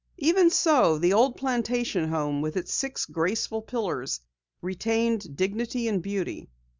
Even so, the old plantation home with its six graceful pillars, retained dignity and beauty.